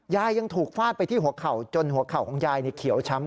ยังถูกฟาดไปที่หัวเข่าจนหัวเข่าของยายเขียวช้ำ